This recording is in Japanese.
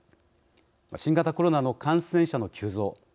新型コロナの感染者の急増